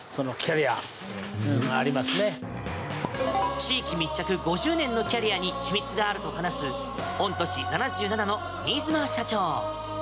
地域密着５０年のキャリアに秘密があると話す、御年７７の新妻社長。